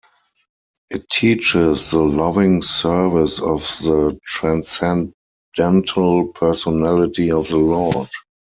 It teaches the loving service of the transcendental personality of the Lord.